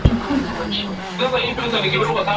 yaliojiri wiki hii ni makala yanayolenga kukuhabarisha